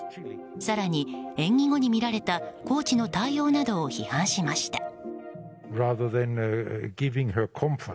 更に演技後に見られたコーチの対応などを批判しました。